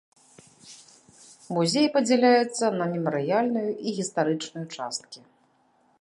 Музей падзяляецца на мемарыяльную і гістарычную часткі.